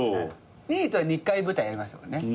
にいにとは２回舞台やりましたもんね。